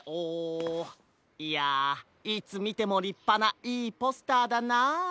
いやいつみてもりっぱないいポスターだなあ。